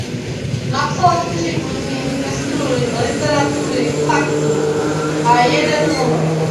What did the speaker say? Napsala čtyři knihy ve stylu literatury faktu a jeden román.